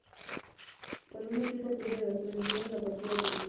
Cuando un equipo pierde las tres vidas, la partida termina.